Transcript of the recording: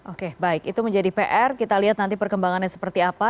oke baik itu menjadi pr kita lihat nanti perkembangannya seperti apa